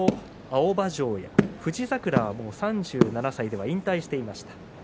青葉城や、富士櫻は３７歳ではもう引退していました。